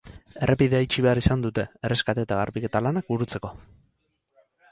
Errepidea itxi behar izan dute, erreskate eta garbiketa lanak burutzeko.